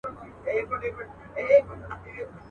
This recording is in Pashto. سلطانان یې دي په لومو کي نیولي.